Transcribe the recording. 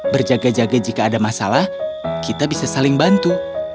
berjaga jaga jika ada masalah kita bisa saling bantu